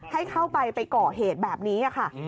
ให้เข้าไปไปก่อเหตุแบบนี้ค่ะ